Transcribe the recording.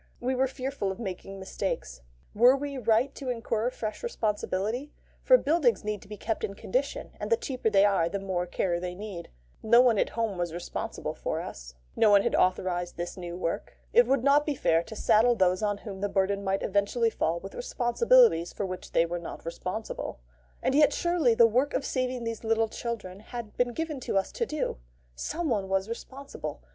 We were fearful of making mistakes. Were we right to incur fresh responsibility? for buildings need to be kept in condition, and the cheaper they are the more care they need. No one at home was responsible for us. No one had authorised this new work. It would not be fair to saddle those on whom the burden might eventually fall with responsibilities for which they were not responsible. And yet surely the work of saving these little children had been given to us to do? Someone was responsible.